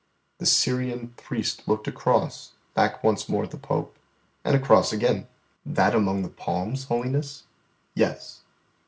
The Syrian priest looked across, back once more at the Pope, and across again. "That among the palms, Holiness?" "Yes."